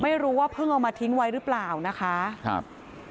ไม่รู้ว่าเพิ่งเอามาทิ้งไว้หรือเปล่านะคะครับ